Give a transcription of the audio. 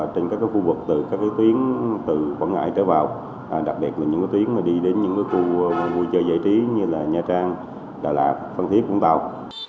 trên các khu vực từ các tuyến từ quảng ngãi trở vào đặc biệt là những tuyến đi đến những khu vui chơi giải trí như là nha trang đà lạt phân thiết vũng tàu